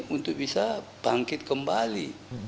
untuk bisa bangkit kembali